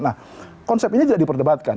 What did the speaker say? nah konsep ini tidak diperdebatkan